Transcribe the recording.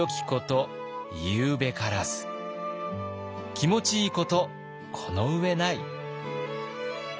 「気持ちいいことこの上ない」。